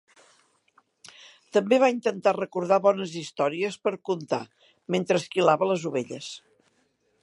També va intentar recordar bones històries per contar mentre esquilava les ovelles.